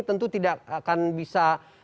tentu tidak akan bisa